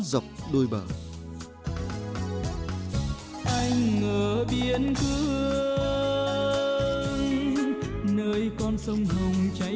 dòng sông quanh năm cuộn chảy